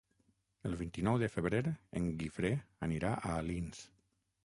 El vint-i-nou de febrer en Guifré irà a Alins.